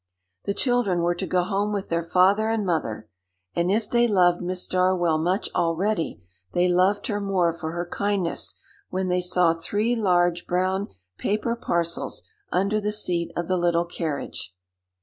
The children were to go home with their father and mother; and if they loved Miss Darwell much already, they loved her more for her kindness when they saw three large brown paper parcels under the seat of the little carriage.